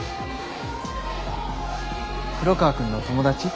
黒川くんの友達？